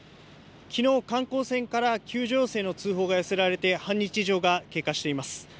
きのう観光船から救助要請の通報が寄せられて半日以上が経過しています。